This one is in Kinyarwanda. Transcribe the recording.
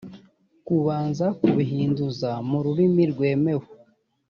kubanza kubihinduza mu rurimi rwemewe